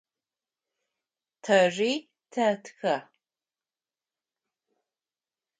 Тэри тэтхэ.